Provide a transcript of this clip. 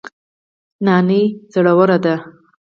نانی زړور دی